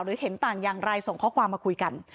เห็นต่างอย่างไรส่งข้อความมาคุยกัน